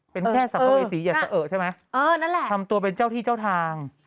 เป็นแค่สัพเวสีอย่าจะเอ่อใช่ไหมทำตัวเป็นเจ้าที่เจ้าทาง